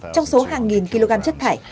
trong số hàng nghìn kg chất thải